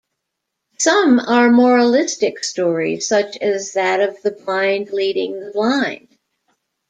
Some are moralistic stories such as that of the "blind leading the blind".